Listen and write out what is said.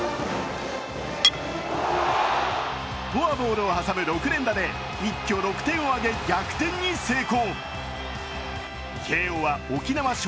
フォアボールを挟む６連打で一挙６点を挙げ逆転に成功。